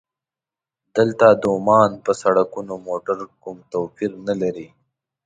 دلته د عمان پر سړکونو موټر کوم توپیر نه لري.